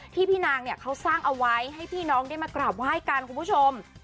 ที่พี่นางเนี่ยเขาสร้างเอาไว้ให้พี่น้องได้มากราบไหว้กันคุณผู้ชม